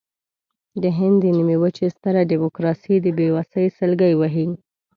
د هند د نیمې وچې ستره ډیموکراسي د بېوسۍ سلګۍ وهي.